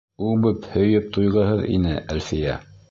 Үбеп, һөйөп туйғыһыҙ ине Әлфиә.